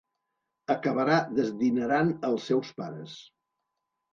Acabarà desdinerant els seus pares.